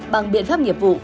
bằng biện pháp nghiệp vụ